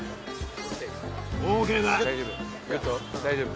大丈夫？